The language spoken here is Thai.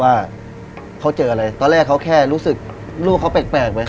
ว่าเขาเจออะไรตอนแรกเขาแค่รู้สึกลูกเขาแปลกไหม